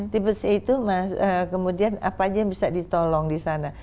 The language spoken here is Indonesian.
tipe c itu kemudian apa aja yang bisa ditolong di sana